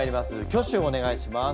挙手をお願いします。